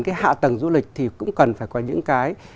cái hạ tầng du lịch thì cũng cần phải có những cái